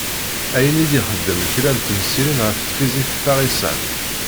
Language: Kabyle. Ayen i d-ixeddmen kra n temsirin ɣef Tfizikt taɣisant.